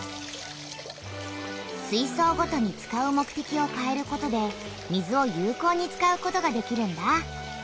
水そうごとに使う目てきをかえることで水を有こうに使うことができるんだ。